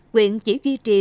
quyện chỉ duy trì